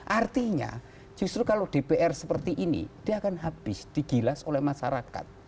artinya justru kalau dpr seperti ini dia akan habis digilas oleh masyarakat